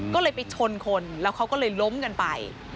ก็เลยไปชนคนแล้วเขาก็เลยล้มกันไป